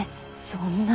そんな。